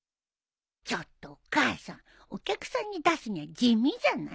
ちょっとお母さんお客さんに出すには地味じゃない？